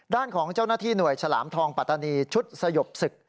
ด้านของเจ้าหน้าที่หน่วยฉลามทองปัตตานีชุดสยบศึก